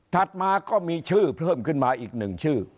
มาก็มีชื่อเพิ่มขึ้นมาอีกหนึ่งชื่อ